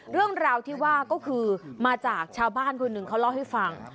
เรื่องราวที่ว่าก็คือมาจากชาวบ้านคนหนึ่งเขาเล่าให้ฟัง